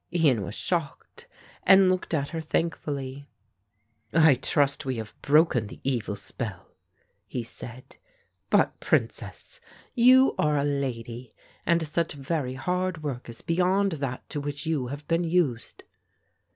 Ian was shocked and looked at her thankfully. "I trust we have broken the evil spell," he said. "But, princess, you are a lady and such very hard work is beyond that to which you have been used."